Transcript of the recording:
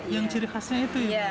yang ciri khasnya itu ya